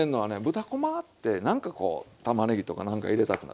豚こまってなんかこうたまねぎとかなんか入れたくなる。